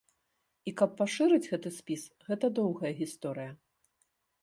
І каб пашырыць гэты спіс, гэта доўгая гісторыя.